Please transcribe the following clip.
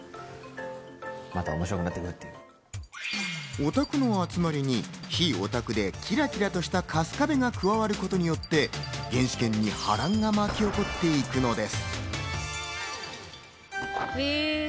オタクの集まりに非オタクでキラキラとした春日部が加わることによって、現視研に波乱が巻き起こっていくのです。